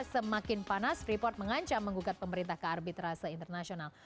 semakin panas freeport mengancam menggugat pemerintah kearbitrasi internasional